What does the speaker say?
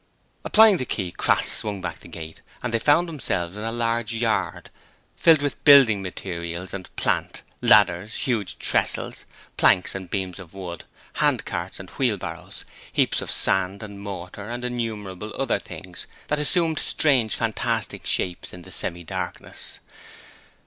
Applying the key, Crass swung back the gate and they found themselves in a large yard filled with building materials and plant, ladders, huge tressels, planks and beams of wood, hand carts, and wheelbarrows, heaps of sand and mortar and innumerable other things that assumed strange fantastic shapes in the semi darkness.